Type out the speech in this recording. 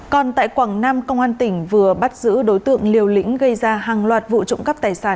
còn tại quảng nam công an tỉnh vừa bắt giữ đối tượng liều lĩnh gây ra hàng loạt vụ trộm cắp tài sản